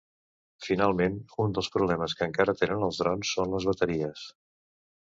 Finalment, un dels problemes que encara tenen els drons són les bateries.